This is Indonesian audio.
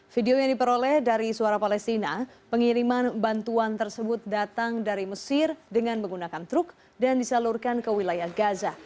video yang diperoleh dari suara palestina pengiriman bantuan tersebut datang dari mesir dengan menggunakan truk dan disalurkan ke wilayah gaza